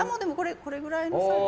これぐらいのサイズです。